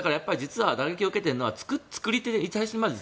打撃を受けているのは作り手。